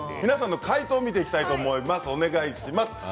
皆さんの解答を見ていきたいと思います。